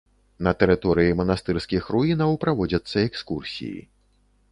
На тэрыторыі манастырскіх руінаў праводзяцца экскурсіі.